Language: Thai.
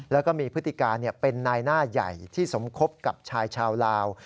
แล้วก็มีพฤติการเป็นนายหน้าใหญ่ที่สมคบกับชายชาวลาว